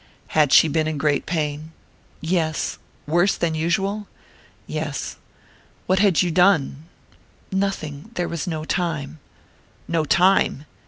"Had she been in great pain?" "Yes." "Worse than usual?" "Yes." "What had you done?" "Nothing there was no time." "No time?"